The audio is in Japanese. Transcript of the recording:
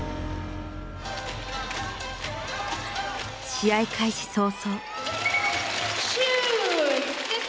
試合開始早々。